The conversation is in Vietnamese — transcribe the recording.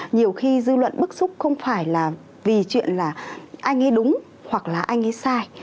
nhiều khi dư luận bức xúc không phải là vì chuyện là anh ấy đúng hoặc là anh ấy sai